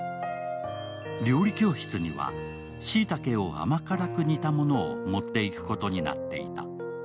料理教室には椎茸を甘辛く煮たものを持っていくことになっていた。